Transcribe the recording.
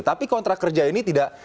tapi kontrak kerja ini tidak